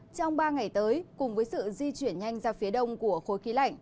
trong ba ngày tới cùng với sự di chuyển nhanh ra phía đông của khối khí lạnh